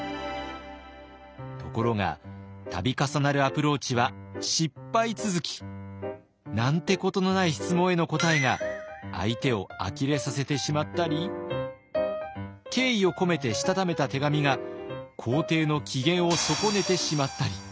ところが度重なるアプローチは失敗続き。なんてことのない質問への答えが相手をあきれさせてしまったり敬意を込めてしたためた手紙が皇帝の機嫌を損ねてしまったり。